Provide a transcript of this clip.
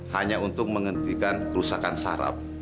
hanya untuk menghentikan kerusakan sarap